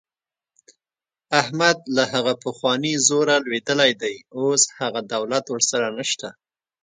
احمد له هغه پخواني زوره لوېدلی دی. اوس هغه دولت ورسره نشته.